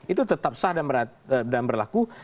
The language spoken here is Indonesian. itu tetap sah dan berlaku